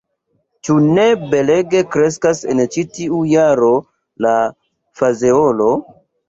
Ĉu ne belege kreskas en ĉi tiu jaro la fazeolo?